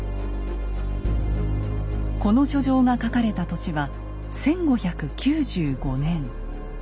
この書状が書かれた年は１５９５年。